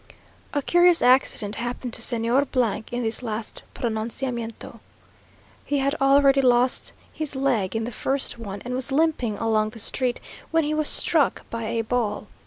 A curious accident happened to Señor in this last pronunciamiento. He had already lost his leg in the first one; and was limping along the street, when he was struck by a ball.